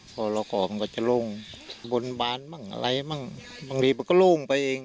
พอเราขอก็จะลงบนบานมันอะไรมันบางทีมันก็ลงไปเอง